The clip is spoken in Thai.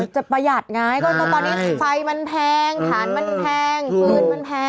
ประหยัดไงก็ตอนนี้ไฟมันแพงฐานมันแพงปืนมันแพง